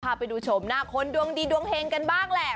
พาไปดูชมหน้าคนดวงดีดวงเฮงกันบ้างแหละ